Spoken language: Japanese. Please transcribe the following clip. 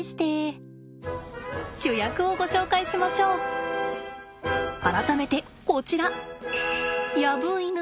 主役をご紹介しましょう改めてこちら。